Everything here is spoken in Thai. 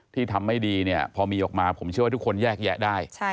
ทำไม่ดีเนี่ยพอมีออกมาผมเชื่อว่าทุกคนแยกแยะได้